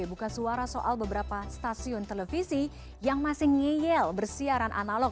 buka suara soal beberapa stasiun televisi yang masih ngeyel bersiaran analog